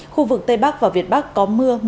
khu vực tây bắc và việt bắc có mưa